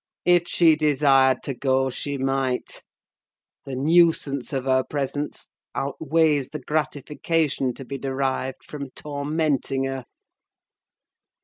If she desired to go, she might: the nuisance of her presence outweighs the gratification to be derived from tormenting her!"